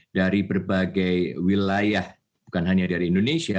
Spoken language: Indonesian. dari berbagai wilayah bukan hanya dari indonesia